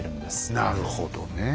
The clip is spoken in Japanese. なるほどねえ。